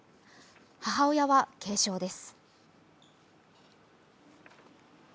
母親は軽傷です。